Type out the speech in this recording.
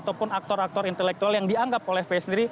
ataupun aktor aktor intelektual yang dianggap oleh fpi sendiri